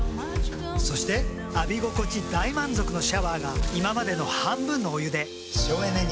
そして浴び心地大満足のシャワーが今までの半分のお湯で省エネに。